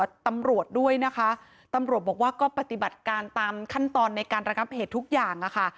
ตำรวจด้วยนะคะตำรวจบอกว่าก็ปฏิบัติการตามขั้นตอนในการระงับเหตุทุกอย่างอะค่ะ